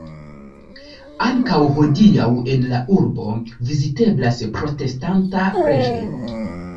Ankaŭ hodiaŭ en la urbo viziteblas protestanta preĝejo.